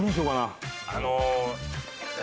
あの。